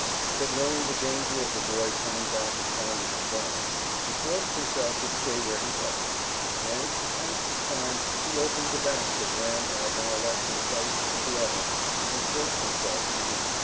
But knowing the danger of the boy coming back and finding him gone, he forced himself to stay where he was; and to pass away the time he opened the basket Ram had now left in place of the other, and forced himself to eat.